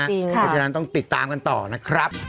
เพราะฉะนั้นต้องติดตามกันต่อนะครับ